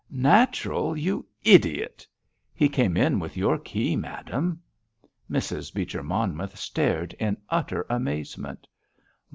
"Natural! You idiot!" "He came in with your key, madame." Mrs. Beecher Monmouth stared in utter amazement.